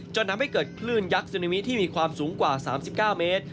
จนทำให้เกิดคลื่นยักษ์ซึนามิที่มีความสูงกว่า๓๙เมตร